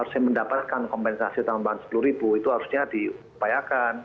harusnya mendapatkan kompensasi tambahan rp sepuluh itu harusnya diupayakan